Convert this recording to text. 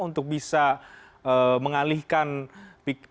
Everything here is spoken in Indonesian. untuk bisa mengalihkan ya